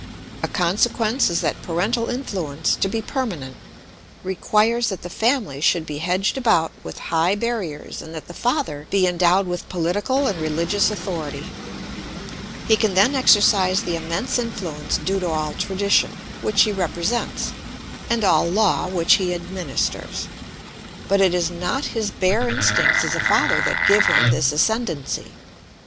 A consequence is that parental influence, to be permanent, requires that the family should be hedged about with high barriers and that the father he endowed with political and religious authority. He can then exercise the immense influence due to all tradition, which he represents, and all law, which he administers; but it is not his bare instincts as a father that give him this ascendency.